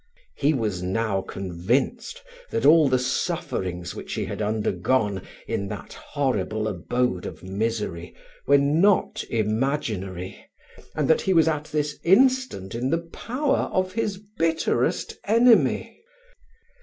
He was now convinced that all the sufferings which he had undergone in that horrible abode of misery were not imaginary, and that he was at this instant in the power of his bitterest enemy.